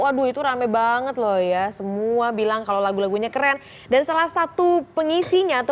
waduh itu rame banget loh ya semua bilang kalau lagu lagunya keren dan salah satu pengisinya atau